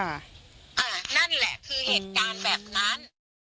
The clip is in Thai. นั่นแหละคือเหตุการณ์แบบนั้น